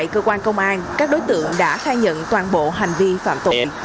tại cơ quan công an các đối tượng đã khai nhận toàn bộ hành vi phạm tội